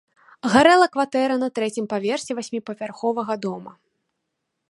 Гарэла кватэра на трэцім паверсе васьміпавярховага дома.